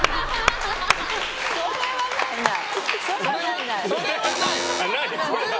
それはないない！